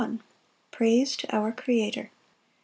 Praise to our Creator.